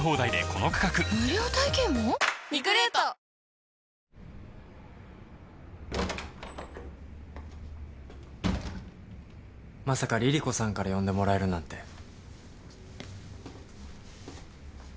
・まさか凛々子さんから呼んでもらえるなんて。